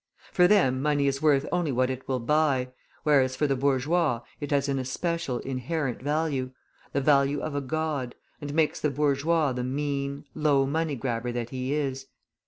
For them money is worth only what it will buy, whereas for the bourgeois it has an especial inherent value, the value of a god, and makes the bourgeois the mean, low money grabber that he is.